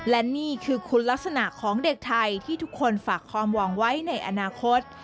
และนี่คือคุณลักษณะของเด็กไทยที่ทุกคนฝากความหวังไว้ในอนาคต